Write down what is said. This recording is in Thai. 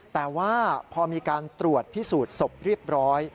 แต่ว่าพอมีการตรวจพิสูจน์ศพเรียบร้อย